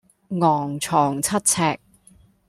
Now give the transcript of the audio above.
昂藏七尺